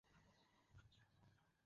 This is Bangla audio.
আমার একটা ছোট সমস্যা আছে।